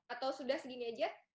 atau sudah segini aja